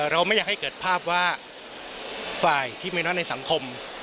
เราไม่อยากให้เกิดภาพว่าฝ่ายที่มีน้อยในสังคม